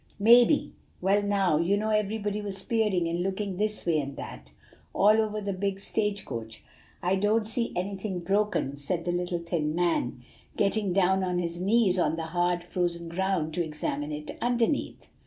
"Maybe. Well, now, you know everybody was peering and looking this way and that, all over the big stage coach. 'I don't see anything broken,' said the little thin man, getting down on his knees on the hard frozen ground to examine it underneath.